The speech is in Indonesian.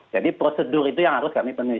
jadi prosedur itu yang harus kami penuhi